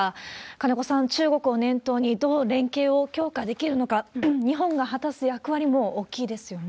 金子さん、中国を念頭にどう連携を強化できるのか、日本が果たす役割も大きいですよね。